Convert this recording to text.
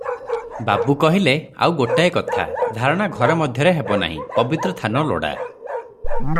ବାବୁ କହିଲେ – ଆଉ ଗୋଟାଏ କଥା, ଧାରଣା ଘର ମଧ୍ୟରେ ହେବ ନାହିଁ, ପବିତ୍ର ଥାନ ଲୋଡ଼ା ।